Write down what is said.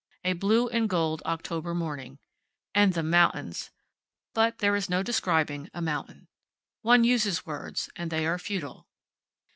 A blue and gold October morning. And the mountains! but there is no describing a mountain. One uses words, and they are futile.